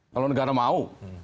kalau negara mau